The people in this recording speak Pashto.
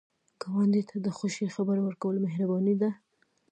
ګاونډي ته د خوښۍ خبر ورکول مهرباني ده